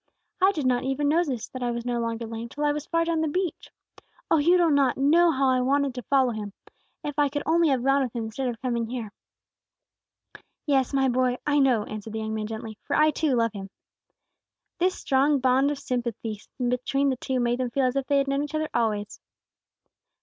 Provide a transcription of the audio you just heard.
I did not even notice that I was no longer lame, until I was far down the beach. Oh, you do not know how I wanted to follow Him! If I could only have gone with Him instead of coming here!" "Yes, my boy, I know!" answered the young man, gently; "for I, too, love Him." This strong bond of sympathy between the two made them feel as if they had known each other always.